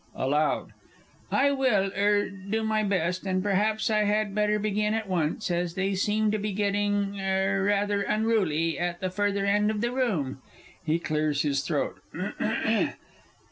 (Aloud.) I will er do my best, and perhaps I had better begin at once, as they seem to be getting er rather unruly at the further end of the room. (_He clears his throat.